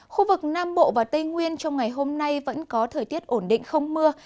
khu vực nam bộ và tây nguyên trong ngày hôm nay vẫn có thời tiết ổn định không mưa